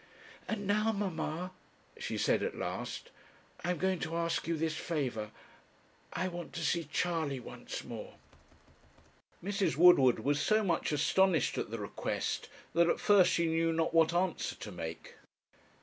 'And now, mamma,' she said at last, 'I am going to ask you this favour I want to see Charley once more.' Mrs. Woodward was so much astonished at the request that at first she knew not what answer to make.